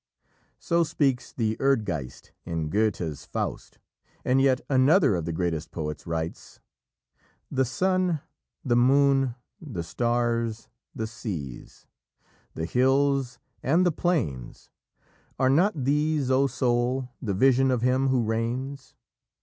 So speaks the Erdgeist in Goethe's Faust, and yet another of the greatest of the poets writes: "The sun, the moon, the stars, the seas, the hills and the plains Are not these, O Soul, the Vision of Him who reigns?